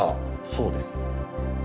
そうです。